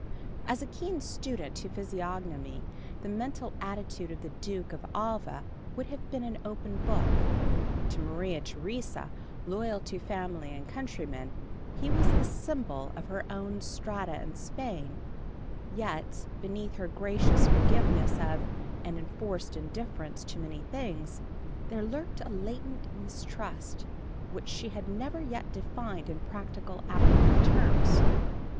To a keen student of physiognomy the mental attitude of the Duke of Alva would have been an open book. To Maria Theresa, loyal to family and countrymen, he was the symbol of her own strata in Spain yet, beneath her gracious forgiveness of and enforced indifference to many things, there lurked a latent mistrust, which she had never yet defined in practical, applicable terms.